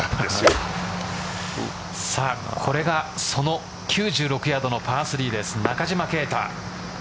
これがその９６ヤードのパー３です中島啓太。